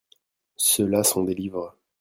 Ceux-là sont des livres.